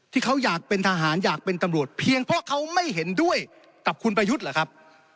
ที่เขาอยากเป็นทหารอยากเป็นตำรวจเพียงเพราะเขาไม่เห็นด้วยกับคุณประยุทธ์เหรอครับ